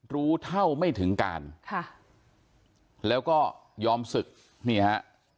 รู้เท่าไม่ถึงการค่ะแล้วก็ยอมศึกนี่ฮะ